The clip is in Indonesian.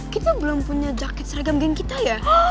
kita belum punya jaket seragam geng kita ya